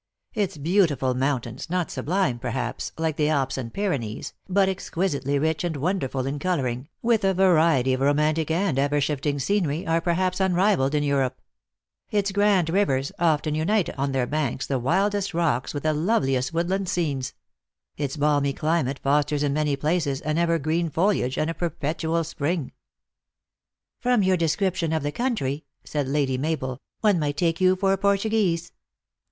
Its beauti ful mountains, not sublime, perhaps, like the Alps and Pyrenees, but exquisitely rich and wonderful in coloring, with a variety of romantic and ever shifting scenery, are perhaps unrivaled in Europe; its grand rivers, often unite on their banks the wildest rocks with the loveliest woodland scenes; its balmy climate fosters in many places an ever green foliage and a perpetual spring." " From your description of the country," said Lady Mabel, " one might take you for a Portuguese."